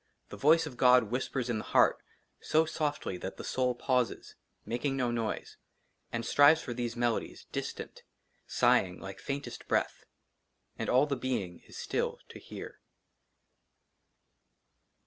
" THE VOICE OF GOD WHISPERS IN THE HEART " SO SOFTLY " THAT THE SOUL PAUSES, *' MAKING NO NOISE, " AND STRIVES FOR THESE MELODIES, DISTANT, SIGHING, LIKE FAINTEST BREATH, '* AND ALL THE BEING IS STILL TO HEAR."